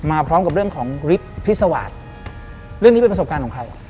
มาพร้อมกับเรื่องของฤทธิ์พิสวาสเรื่องนี้เป็นประสบการณ์ของใคร